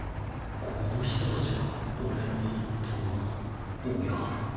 この人たちが俺の本当の親